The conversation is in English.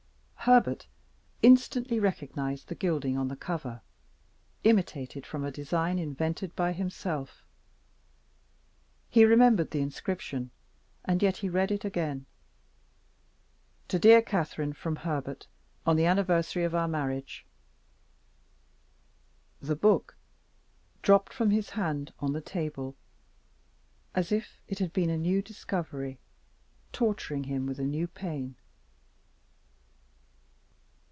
Herbert instantly recognized the gilding on the cover, imitated from a design invented by himself. He remembered the inscription, and yet he read it again: "To dear Catherine, from Herbert, on the anniversary of our marriage." The book dropped from his hand on the table, as if it had been a new discovery, torturing him with a new pain.